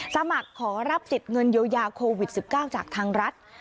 สมัครขอรับสิทธิ์เงินเยียวยาโควิด๑๙จากทางรัฐ